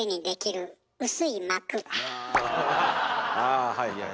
あはいはい。